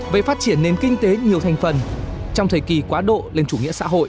về phát triển nền kinh tế nhiều thành phần